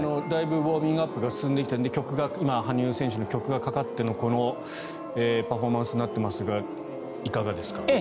だいぶウォーミングアップが進んできて羽生選手の曲がかかってこのパフォーマンスになっていますがいかがですか？